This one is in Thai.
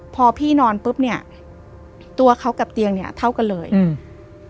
พอพี่นอนปุ๊บเนี้ยตัวเขากับเตียงเนี้ยเท่ากันเลยอืม